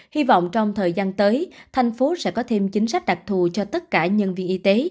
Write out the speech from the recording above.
hy vọng trong thời gian tới thành phố sẽ có thêm chính sách đặc thù cho tất cả nhân viên y tế